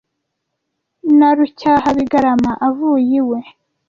Na Rucyahabigarama, avuye iwe